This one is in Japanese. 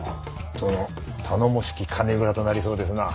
殿頼もしき金蔵となりそうですな。